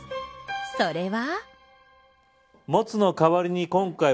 それは。